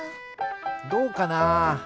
どうかな？